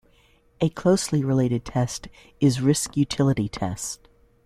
A closely related test is risk-utility test.